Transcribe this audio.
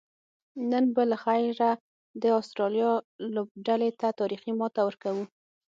نن به لخیره د آسترالیا لوبډلې ته تاریخي ماته ورکوو